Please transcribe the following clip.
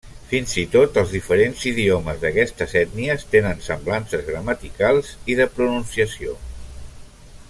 Fins i tot els diferents idiomes d'aquestes ètnies tenen semblances gramaticals i de pronunciació.